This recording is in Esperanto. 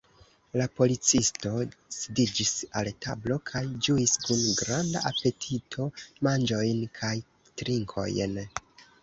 La policisto sidiĝis al tablo kaj ĝuis kun granda apetito manĝojn kaj trinkojn.